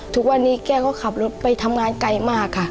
ทุกวันนี้แกก็ขับรถไปทำงานไกลมากค่ะ